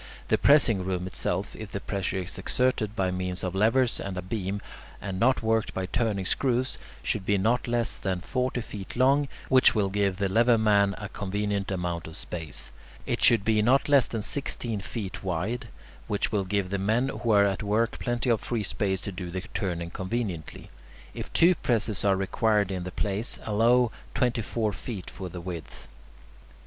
The pressing room itself, if the pressure is exerted by means of levers and a beam, and not worked by turning screws, should be not less than forty feet long, which will give the lever man a convenient amount of space. It should be not less than sixteen feet wide, which will give the men who are at work plenty of free space to do the turning conveniently. If two presses are required in the place, allow twenty four feet for the width.